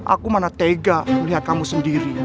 aku mana tega melihat kamu sendiri